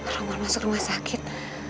rompong masuk rumah sakit